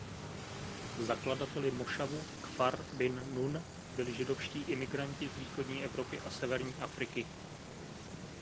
Zakladateli mošavu Kfar Bin Nun byli židovští imigranti z východní Evropy a severní Afriky.